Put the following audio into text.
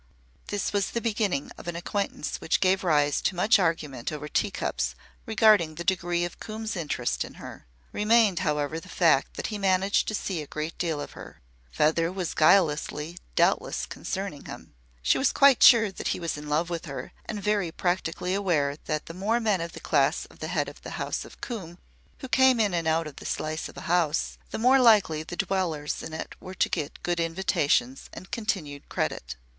This was the beginning of an acquaintance which gave rise to much argument over tea cups regarding the degree of Coombe's interest in her. Remained, however, the fact that he managed to see a great deal of her. Feather was guilelessly doubtless concerning him. She was quite sure that he was in love with her, and very practically aware that the more men of the class of the Head of the House of Coombe who came in and out of the slice of a house, the more likely the dwellers in it were to get good invitations and continued credit.